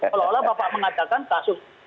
kalau tidak bapak mengatakan kasus